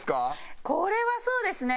これはそうですね。